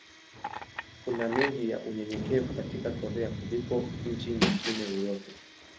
Kuna mengi ya unyenyekevu katika Korea kuliko nchi nyingine yoyote.